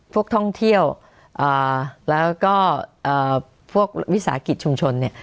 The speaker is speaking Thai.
ท่องเที่ยวแล้วก็พวกวิสาหกิจชุมชนเนี่ย